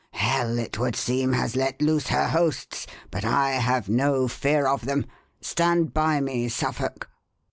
Hell, it would seem, has let loose her hosts; but I have no fear of them. Stand by me, Suffolk."